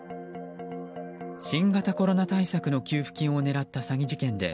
新型コロナ対策の給付金を狙った詐欺事件で